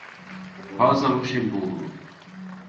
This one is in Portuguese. Rosa Luxemburgo